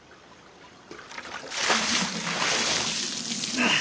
ああ！